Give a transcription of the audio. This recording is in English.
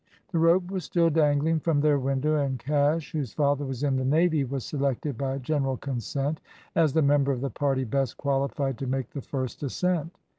The rope was still dangling from their window, and Cash, whose father was in the Navy, was selected by general consent as the member of the party best qualified to make the first ascent.